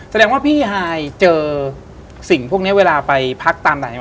แสดงว่าพี่ไฮเจอสิ่งพวกนี้เวลาไปพักตามไหน